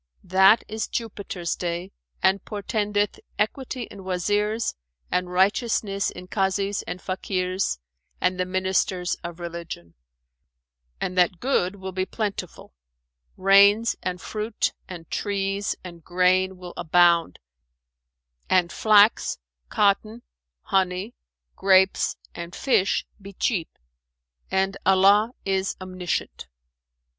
"That is Jupiter's day and portendeth equity in Wazirs and righteousness in Kazis and Fakirs and the Ministers of religion; and that good will be plentiful: rains and fruit and trees and grain will abound, and flax, cotton, honey, grapes and fish be cheap; and Allah is Omniscient!"